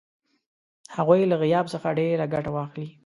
هغوی له غیاب څخه ډېره ګټه واخلي.